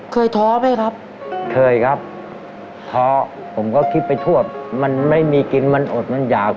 ท้อไหมครับเคยครับท้อผมก็คิดไปทั่วมันไม่มีกินมันอดมันหยาบ